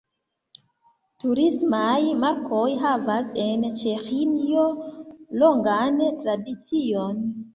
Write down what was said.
Turismaj markoj havas en Ĉeĥio longan tradicion.